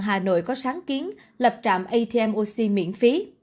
hà nội có sáng kiến lập trạm atm oc miễn phí